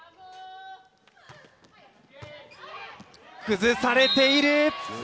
崩されている。